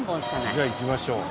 じゃあ行きましょう。